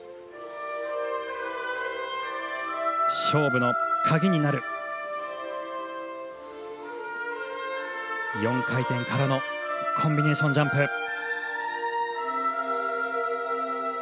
勝負の鍵になる４回転からのコンビネーションジャンプ。